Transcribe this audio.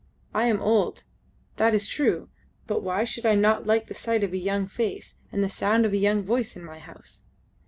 I am old that is true but why should I not like the sight of a young face and the sound of a young voice in my house?"